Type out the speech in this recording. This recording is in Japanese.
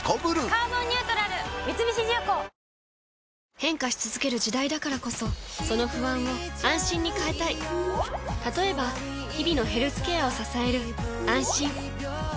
変化し続ける時代だからこそその不安を「あんしん」に変えたい例えば日々のヘルスケアを支える「あんしん」